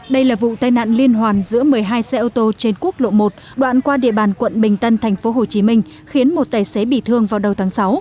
đây là vụ tai nạn liên hoàn giữa một mươi hai xe ô tô trên quốc lộ một đoạn qua địa bàn quận bình tân tp hcm khiến một tài xế bị thương vào đầu tháng sáu